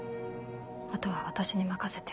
あとは私に任せて。